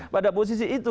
pada posisi itu